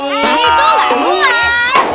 itu nggak buas